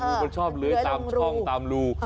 มันชอบเลื้อยตามช่องตามรู